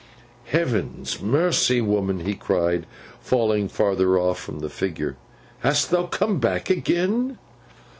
'Heaven's mercy, woman!' he cried, falling farther off from the figure. 'Hast thou come back again!